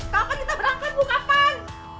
kapan kita berangkat mau kapan